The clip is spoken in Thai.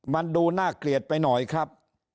มันดูน่าเกลียดไปหน่อยครับ